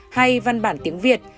hay văn bản tiếng việt